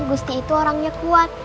gusti itu orangnya kuat